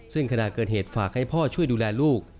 ซึ่งขณะเกิดเหตุฝากให้พ่อช่วยดูแลลูก